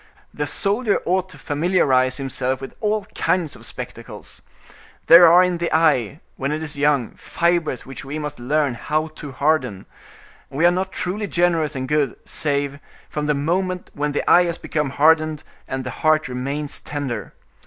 The soldier ought to familiarize himself with all kinds of spectacles. There are in the eye, when it is young, fibers which we must learn how to harden; and we are not truly generous and good save from the moment when the eye has become hardened, and the heart remains tender.